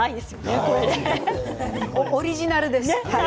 オリジナルです。